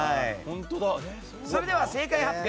それでは正解発表！